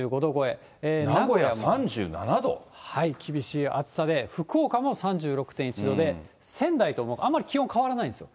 厳しい暑さで、福岡も３６．１度で、仙台とあまり気温変わらないんですよ。